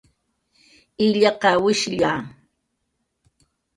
illaqa, wishlla